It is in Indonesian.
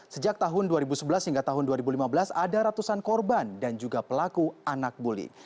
sejak tahun dua ribu sebelas hingga tahun dua ribu lima belas ada ratusan korban dan juga pelaku anak bully